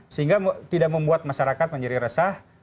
sehingga tidak membuat masyarakat menjadi resah